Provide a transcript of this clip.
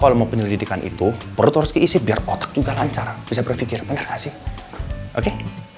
kalau kita mau penyelidikan itu perut harus keisi biar otak juga lancar bisa berpikir bener gak sih oke